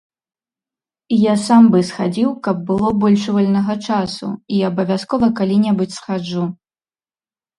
Я сам бы схадзіў, каб было больш вольнага часу, і абавязкова калі-небудзь схаджу.